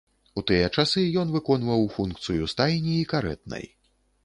У тыя часы ён выконваў функцыю стайні і карэтнай.